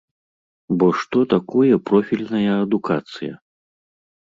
Бо што такое профільная адукацыя?